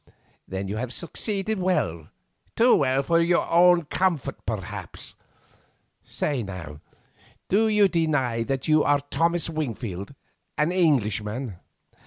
"Then you have succeeded well, too well for your own comfort, perhaps. Say now, do you deny that you are Thomas Wingfield and an Englishman?"